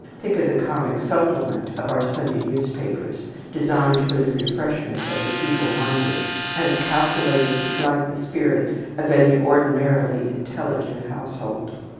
Think of the comic supplement of our Sunday newspapers, designed for the refreshment of the feeble minded, and calculated to blight the spirits of any ordinarily intelligent household.